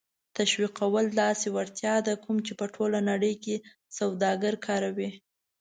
تشویقول داسې وړتیا ده کوم چې په ټوله نړۍ کې سوداګر کاروي.